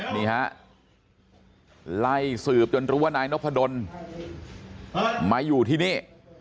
นี่ฮะไล่สืบจนรู้ว่านายนพดลมาอยู่ที่นี่